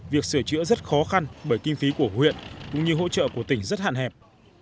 việc sửa chữa rất khó khăn bởi kinh phí của huyện cũng như hỗ trợ của tỉnh rất hạn hẹp